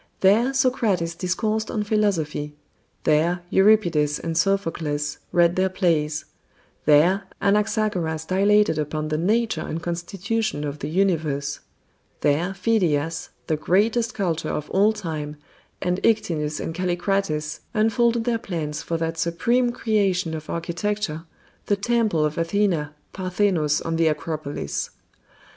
There Socrates discoursed on philosophy; there Euripides and Sophocles read their plays; there Anaxagoras dilated upon the nature and constitution of the universe; there Phidias, the greatest sculptor of all time, and Ictinus and Callicrates unfolded their plans for that supreme creation of architecture, the temple of Athena Parthenos on the Acropolis.